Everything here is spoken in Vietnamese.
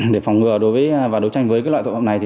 để phòng ngừa và đối tranh với loại tội vụ này